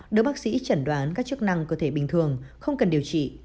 đứa bác sĩ chẩn đoán các chức năng cơ thể bình thường không cần điều trị